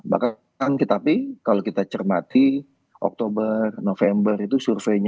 bahkan tetapi kalau kita cermati oktober november itu surveinya